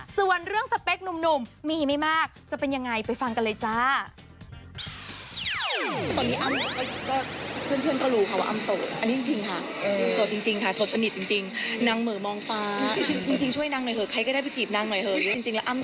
ส่วนเรื่องสเปคหนุ่มมีไม่มากจะเป็นยังไงไปฟังกันเลยจ้า